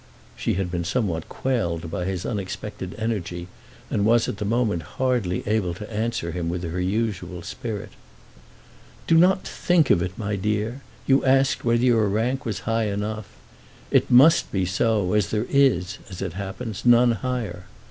She had been somewhat quelled by his unexpected energy, and was at the moment hardly able to answer him with her usual spirit. "Do not think of it, my dear. You asked whether your rank was high enough. It must be so, as there is, as it happens, none higher.